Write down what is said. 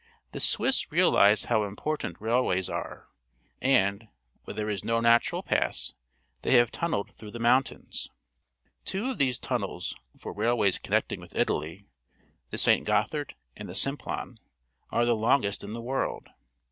The Swiss realize how important railways are, and, where there is no natural pass, they have tunnelled through the mountains. Two of these tunnels, for rail ways connecting with Italy — the St. Gothard and the Simplon — are the longest in the world.